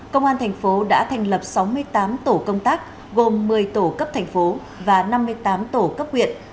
công an tp hcm đã thành lập sáu mươi tám tổ công tác gồm một mươi tổ cấp thành phố và năm mươi tám tổ cấp quyền